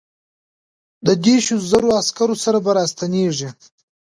د دیرشو زرو عسکرو سره به را ستنېږي.